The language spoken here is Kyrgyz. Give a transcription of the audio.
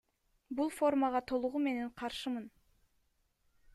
Бул формага толугу менен каршымын.